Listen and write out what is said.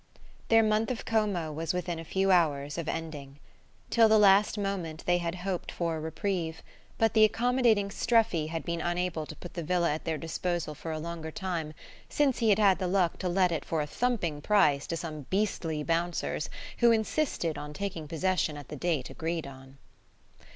THEIR month of Como was within a few hours of ending. Till the last moment they had hoped for a reprieve; but the accommodating Streffy had been unable to put the villa at their disposal for a longer time, since he had had the luck to let it for a thumping price to some beastly bouncers who insisted on taking possession at the date agreed on.